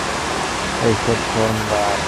এই সব ফর্ম বাদ।